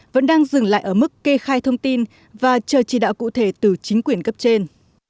vẫn đang dừng lại ở mức kê khai thông tin và chờ chỉ đạo cụ thể từ chính quyền cấp trên